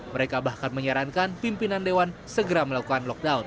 mereka bahkan menyarankan pimpinan dewan segera melakukan lockdown